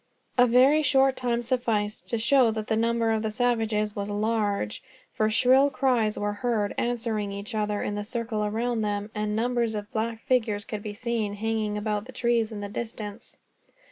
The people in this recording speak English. A very short time sufficed to show that the number of the savages was large; for shrill cries were heard, answering each other, in the circle around them; and numbers of black figures could be seen, hanging about the trees in the distance.